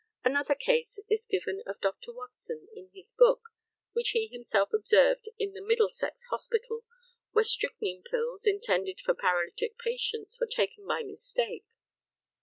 Another case is given by Dr. Watson in his book, which he himself observed in the Middlesex Hospital, where strychnine pills, intended for paralytic patients, were taken by mistake.